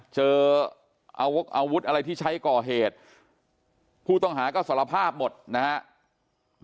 เจออาวุธอะไรที่ใช้ก่อเหตุผู้ต้องหาก็สารภาพหมดนะครับ